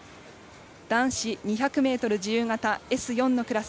男子２００ｍ自由形Ｓ４のクラス。